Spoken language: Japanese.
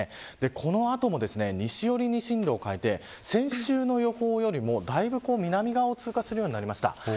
この後も西寄りに進路を変えて先週の予報より、だいぶ南側を通過するようになりました。